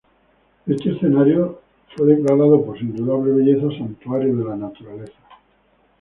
Este escenario de fue declarado por su indudable belleza santuario de la naturaleza.